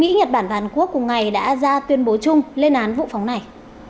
mỹ nhật bản và hàn quốc cùng ngày đã ra tuyên bố chung lên án vụ phóng này